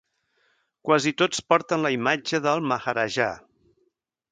Quasi tots porten la imatge del maharajà.